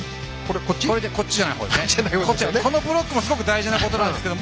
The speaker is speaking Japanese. このブロックもすごく大事なことなんですけど